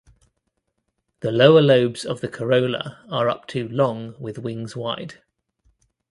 The lower lobes of the corolla are up to long with wings wide.